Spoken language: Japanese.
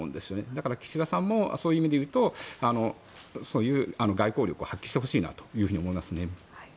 だから、岸田さんもそういう意味でいうと外交力を発揮してほしいなと思いますね。